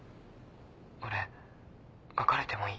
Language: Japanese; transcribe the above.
俺別れてもいい。